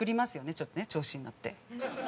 ちょっとね調子に乗って。